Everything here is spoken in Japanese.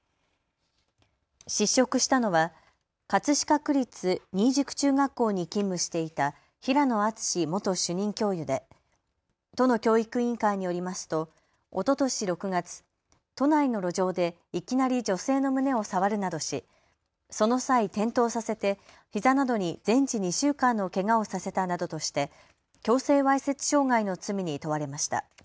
失職したのは葛飾区立新宿中学校に勤務していた平野篤志元主任教諭で都の教育委員会によりますとおととし６月、都内の路上でいきなり女性の胸を触るなどしその際、転倒させてひざなどに全治２週間のけがをさせたなどとして強制わいせつ傷害の罪に問われました。